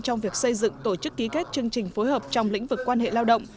trong việc xây dựng tổ chức ký kết chương trình phối hợp trong lĩnh vực quan hệ lao động